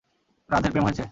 রাধের প্রেম হয়েছে?